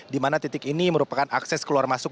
dimana titik ini merupakan akses keluar masuk